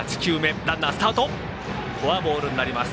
フォアボールになります。